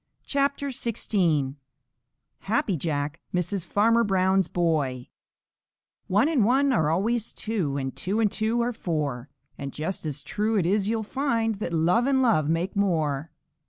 CHAPTER XVI HAPPY JACK MISSES FARMER BROWN'S BOY One and one are always two, And two and two are four. And just as true it is you'll find That love and love make more.